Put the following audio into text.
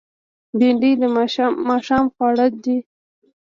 بېنډۍ د ماښام خواړه ده